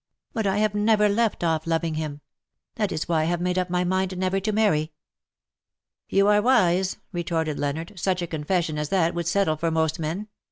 But I have never left off loving him. That is why I have made up my mind never to marry." '^ You are wise/' retorted Leonard, '' such a con fession as that would settle for most men.